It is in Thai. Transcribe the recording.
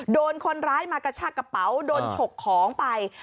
โดนคนร้ายมากระชากกระเป๋าโดนฉกของไป